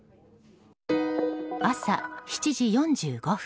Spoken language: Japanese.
朝７時４５分。